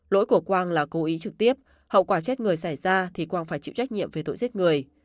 lỗi của quang là cố ý trực tiếp hậu quả chết người xảy ra thì quang phải chịu trách nhiệm về tội giết người